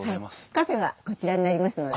カフェはこちらになりますので。